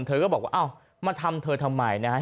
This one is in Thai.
เธอก็บอกว่ามาทำเธอทำไม